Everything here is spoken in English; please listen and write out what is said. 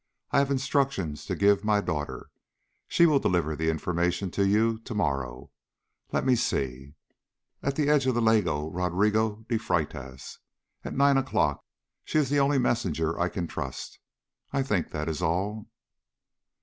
I have instructions to give my daughter. She will deliver the information to you to morrow. Let me see. At the edge of the Lagao Rodrigo de Feitas, at nine o'clock. She is the only messenger I can trust. I think that is all."